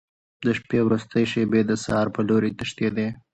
د شپې وروستۍ شېبې د سهار په لور تښتېدې.